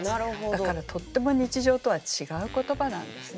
だからとっても日常とは違う言葉なんですね。